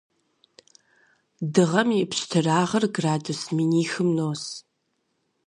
Дыгъэм и пщтырагъыр градус минихым нос.